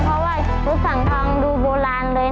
เพราะว่าชุดสังทองดูโบราณเลย